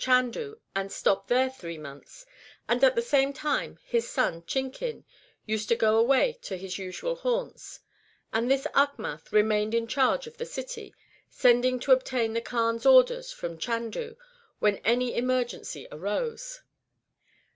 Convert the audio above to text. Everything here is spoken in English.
Chandu and stop there three months ; and at the same time his son Chinkin used to go away to his usual haunts, and this Achmath remained in charge of the city ; sending to obtain the Kaan's orders from Chandu when any emergency arose.